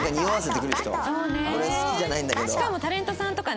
しかもタレントさんとかね。